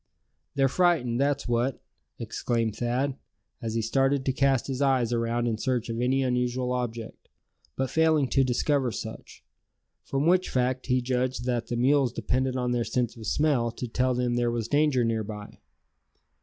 "They're frightened, that's what!" exclaimed Thad, as he started to cast his eyes around in search of any unusual object, but failing to discover such; from which fact he judged that the mules depended on their sense of smell to tell them there was danger near by.